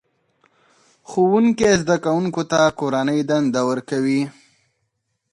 ښوونکی زده کوونکو ته کورنۍ دنده ورکوي